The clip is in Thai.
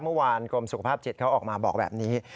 เมื่อวานกรมสุขภาพจิตเขาออกมาบอกแบบนี้